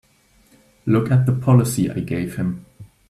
Look at the policy I gave him!